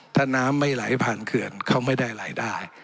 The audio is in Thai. ถ้าน้ำไม่ไหลผ่านเขื่อนเขาไม่ได้รายได้